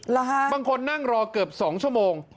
เหรอฮะบางคนนั่งรอเกือบ๒ชั่วโมง